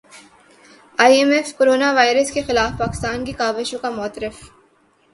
ائی M F corona virus کے خلاف پاکستان کی کاوشوں کا معترف